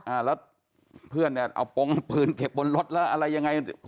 อ่าแล้วเพื่อนเนี่ยเอาโปรงปืนเก็บบนรถแล้วอะไรยังไง